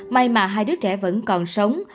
may mà hai đứa trẻ vẫn còn sống